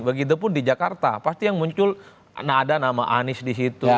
begitupun di jakarta pasti yang muncul nah ada nama anies di situ